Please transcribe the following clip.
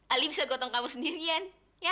ali bisa gotong kamu sendirian